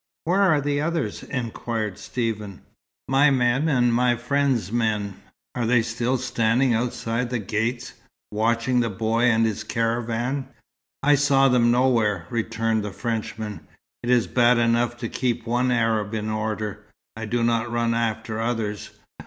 "Where are the others?" inquired Stephen. "My men and my friend's men? Are they still standing outside the gates, watching the boy and his caravan?" "I saw them nowhere," returned the Frenchman. "It is bad enough to keep one Arab in order. I do not run after others.